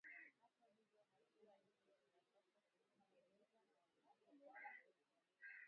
Hata hivyo hatua hizi zinapaswa kutekelezwa na wadau wote